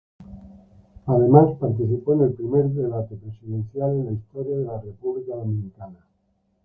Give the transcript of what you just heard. Además participó en el primer debate presidencial en la historia de la República Dominicana.